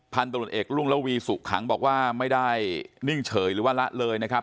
ตำรวจเอกรุ่งระวีสุขังบอกว่าไม่ได้นิ่งเฉยหรือว่าละเลยนะครับ